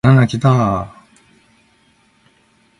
バナナキターーーーーー